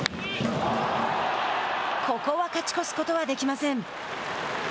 ここは勝ち越すことはできません。